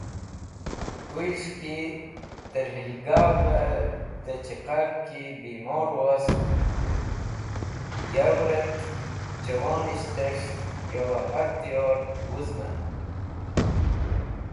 Kuyes̃h ki tẽr hilgav dẽ chẽqar ki bimor wost yiwrẽt jẽwonishts̃h yo hẽr diyor wezmẽn.